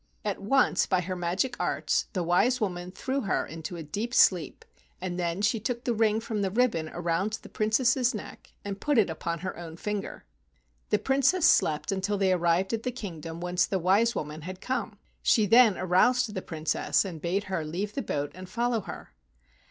At once, by her magic arts, the wise woman threw her into a deep sleep and she then took the ring from the ribbon around the Princess' neck and put it upon her own finger. The Princess slept until they arrived at the kingdom whence the wise woman had come. She then aroused the Princess and bade her leave the boat and follow her.